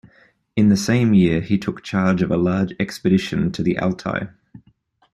In the same year he took charge of a large expedition to the Altai.